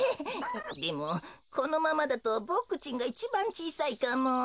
でもこのままだとボクちんがいちばんちいさいかも。